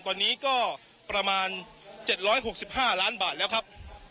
ตอนนี้ก็ประมาณเจ็ดร้อยหกสิบห้าล้านบาทแล้วครับ